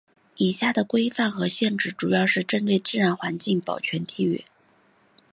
以下的规范和限制主要是针对自然环境保全地域。